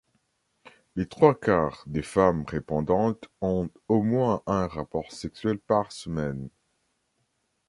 Les trois-quarts des femmes répondantes ont au moins un rapport sexuel par semaine.